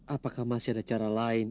apakah masih ada cara lain